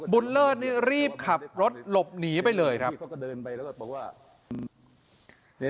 เลิศนี่รีบขับรถหลบหนีไปเลยครับ